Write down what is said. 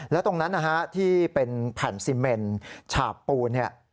แล้วตรงนั้นนะฮะที่เป็นแผ่นซีเมนฉากปูนเนี่ย